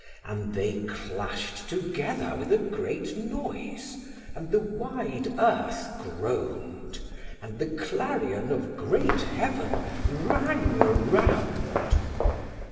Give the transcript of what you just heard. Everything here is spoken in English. And they clashed together with a great noise, and the wide earth groaned, and the clarion of great Heaven rang around.